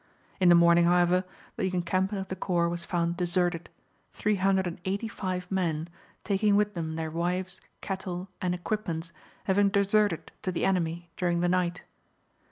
In the morning, however, the encampment of the corps was found deserted, three hundred and eighty five men, taking with them their wives, cattle, and equipments, having deserted to the enemy during the night.